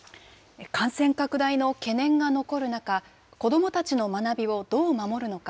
感染拡大の懸念が残る中、子どもたちの学びをどう守るのか。